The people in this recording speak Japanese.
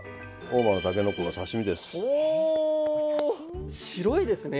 合馬のたけのこの刺身です。